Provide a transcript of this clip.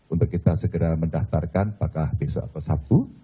untuk kita segera mendaftarkan apakah besok atau sabtu